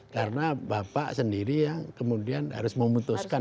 karena bapak sendiri yang kemudian harus memutuskan